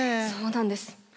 そうなんです。